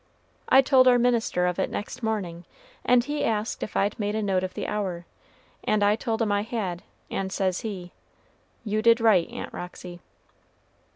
I told our minister of it next morning, and he asked if I'd made a note of the hour, and I told him I had, and says he, 'You did right, Aunt Roxy.'"